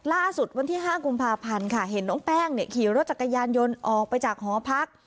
ล่าสุดวันที่๕กุมภาพันธ์ค่ะเห็นน้องแป้งขี่รถจักรยานยนต์ออกไปจากหอพัก